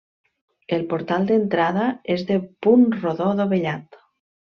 El portal d'entrada és de punt rodó dovellat.